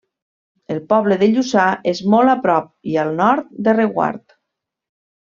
El poble de Lluçà és molt a prop i al nord de Reguard.